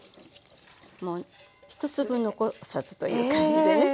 もう一粒残さずという感じでね